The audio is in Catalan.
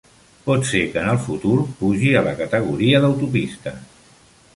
Pot ser que en el futur pugi a la categoria d'autopista.